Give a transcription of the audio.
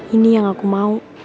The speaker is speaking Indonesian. ini yang aku mau